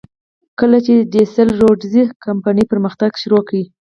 کله چې د سیسل روډز کمپنۍ پرمختګ پیل کړ.